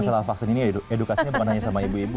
jadi masalah vaksin ini edukasinya bukan hanya sama ibu ibu